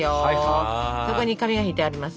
そこに紙が敷いてあります。